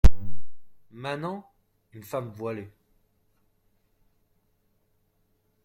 Manants. une femme voilée.